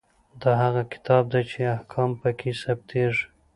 دا هغه کتاب دی چې احکام پکې ثبتیږي.